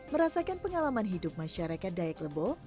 merasakan pengalaman hidup masyarakat dayak lebo